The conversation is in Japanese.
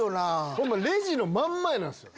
ホンマレジの真ん前なんすよ。